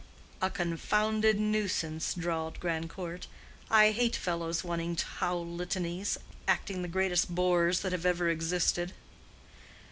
"A confounded nuisance," drawled Grandcourt. "I hate fellows wanting to howl litanies—acting the greatest bores that have ever existed."